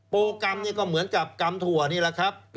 กรรมนี่ก็เหมือนกับกรรมถั่วนี่แหละครับ